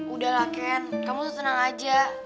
udah lah ken kamu tenang aja